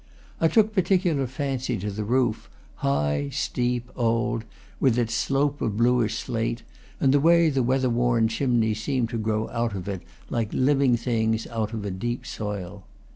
I took particular fancy to the roof, high, steep, old, with its slope of bluish slate, and the way the weather worn chimneys seemed to grow out of it, like living things out of a deep soil.